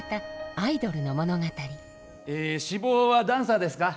え志望はダンサーですか？